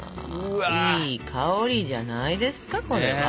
いい香りじゃないですかこれは。